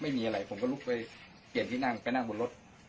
ไม่มีอะไรผมก็ลุกไปเกี่ยวนางไปนั่งบนรถ